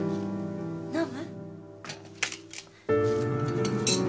飲む？